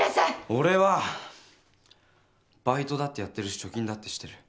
俺はバイトだってやってるし貯金だってしてる。